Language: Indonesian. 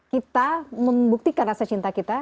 kita membuktikan rasa cinta kita